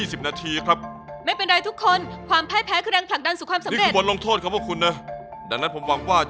ทันทีเลยและ